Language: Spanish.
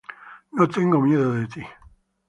No tengo miedo de ti.